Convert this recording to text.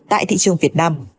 tại thị trường việt nam